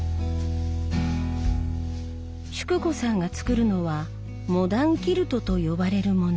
淑子さんが作るのは「モダンキルト」と呼ばれるもの。